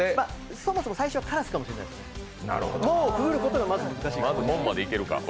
そもそも最初カラスかもしれない門をくぐることがまず難しい。